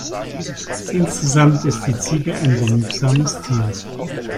Insgesamt ist die Ziege ein genügsames Tier.